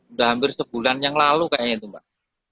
udah hampir sebulan yang lalu kayaknya itu mbak